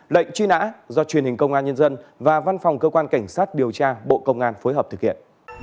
lệnh truy nã do truyền hình công an nhân dân và văn phòng cơ quan cảnh sát điều tra bộ công an phối hợp thực hiện